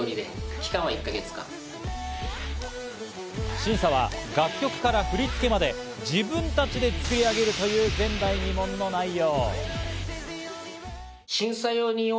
審査は楽曲から振り付けまで自分たちで作り上げるという前代未聞の内容。